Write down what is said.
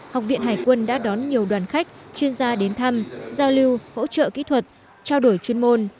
học viện hải quân đã đón nhiều đoàn khách chuyên gia đến thăm giao lưu hỗ trợ kỹ thuật trao đổi chuyên môn